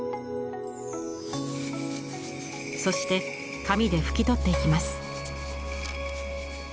そして紙で拭き取っていきます。